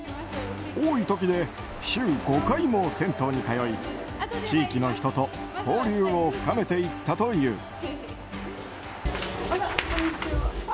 多い時で週５回も銭湯に通い地域の人と交流を深めていったという。